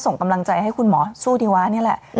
ส่งกำลังใจให้คุณหมอสู้ดีวะนี่แหละ